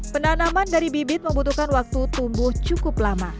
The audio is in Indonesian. penanaman dari bibit membutuhkan waktu tumbuh cukup lama